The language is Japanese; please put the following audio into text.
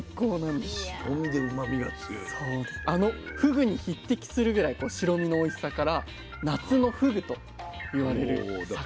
あのふぐに匹敵するぐらい白身のおいしさから「夏のふぐ」と言われる魚なんです。